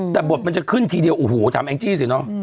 แต่บทมันจะขึ้นทีเดียวโอ้โหถามแองจี้สิเนอะ